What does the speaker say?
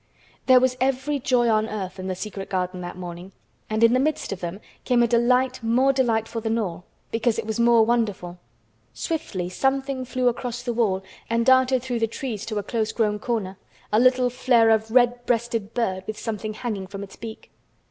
There was every joy on earth in the secret garden that morning, and in the midst of them came a delight more delightful than all, because it was more wonderful. Swiftly something flew across the wall and darted through the trees to a close grown corner, a little flare of red breasted bird with something hanging from its beak.